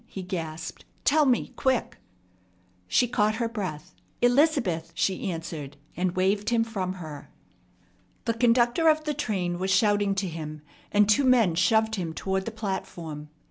he gasped. "Tell me quick!" She caught her breath. "Elizabeth!" she answered, and waved him from her. The conductor of the train was shouting to him, and two men shoved him toward the platform.